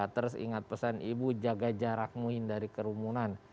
terus ingat pesan ibu jaga jarakmu hindari kerumunan